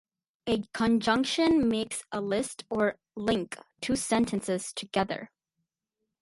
A conjunction makes a list or link two sentences together.